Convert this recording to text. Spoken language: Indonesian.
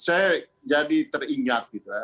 saya jadi teringat gitu ya